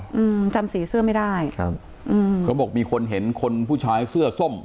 อืมจำสีเสื้อไม่ได้ครับอืมเขาบอกมีคนเห็นคนผู้ชายเสื้อส้ม